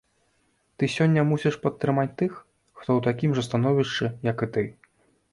Ты сёння мусіш падтрымаць тых, хто ў такім жа становішчы, як і ты.